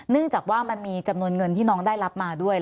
จากว่ามันมีจำนวนเงินที่น้องได้รับมาด้วย